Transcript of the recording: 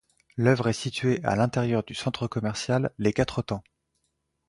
L'œuvre est située à l'intérieur du centre commercial Les Quatre Temps.